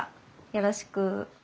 よろしく。